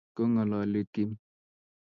Kongalale Kim